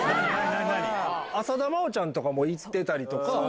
浅田真央ちゃんも行ってたりとか。